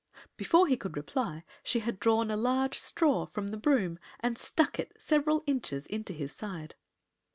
Before he could reply she had drawn a large straw from the broom and stuck it several inches into his side.